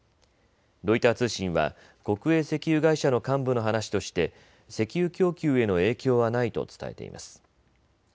ロイター通信は国営石油会社の幹部の話として石油供給への影響はないと伝えています。